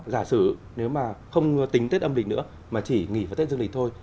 giả sử nếu mà không tính tết âm lịch nữa mà chỉ nghỉ vào tết dương lịch thôi